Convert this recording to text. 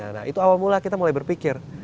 nah itu awal mula kita mulai berpikir